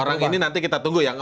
orang ini nanti kita tunggu ya